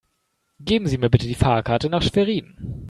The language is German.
Geben Sie mir bitte die Fahrkarte nach Schwerin